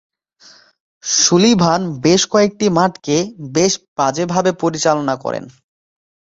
Sullivan বেশ কয়েকটি মাঠকে বেশ বাজেভাবে পরিচালনা করেন।